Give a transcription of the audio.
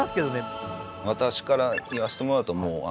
私から言わせてもらうとはあ